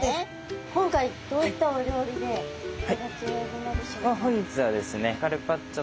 今回どういったお料理で頂けるのでしょうか？